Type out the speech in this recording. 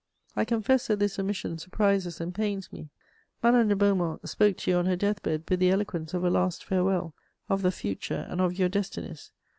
I confess that this omission surprises and pains me. Madame de Beaumont spoke to you on her death bed, with the eloquence of a last farewell, of the future and of your destinies.